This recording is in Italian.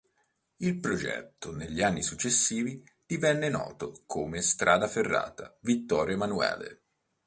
Il progetto negli anni successivi divenne noto come "Strada ferrata Vittorio Emanuele".